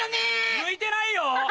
向いてないよ？